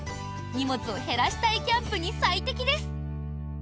荷物を減らしたいキャンプに最適です。